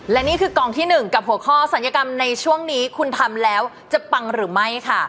และนี่คือกองที่๑กับหัวข้อศัลยกรรมในช่วงนี้คุณทำแล้วจะปังหรือไม่ค่ะ